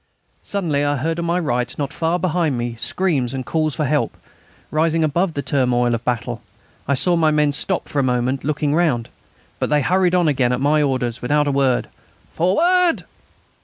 Suddenly I heard on my right, not far behind me, screams and calls for help, rising above the turmoil of battle. I saw my men stop for a moment, looking round. But they hurried on again at my orders without a word. "Forward!"